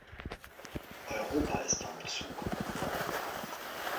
Europa ist am Zug.